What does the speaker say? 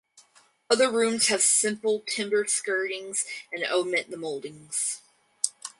Other rooms have simple timber skirtings and omit the mouldings.